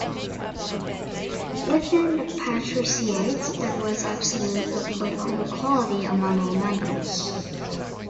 Within the patriciate there was absolute political equality among all members.